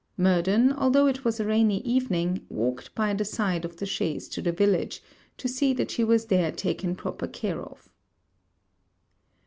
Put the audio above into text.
Murden, although it was a rainy evening, walked by the side of the chaise to the village, to see that she was there taken proper care of.